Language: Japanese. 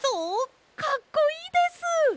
かっこいいです！